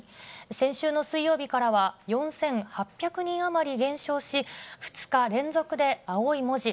先週の水曜日からは４８００人余り減少し、２日連続で青い文字、